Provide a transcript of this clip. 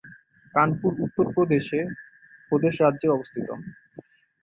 কানপুর উত্তর প্রদেশ রাজ্যে অবস্থিত।